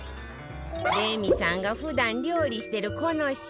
レミさんが普段料理してるこのシンク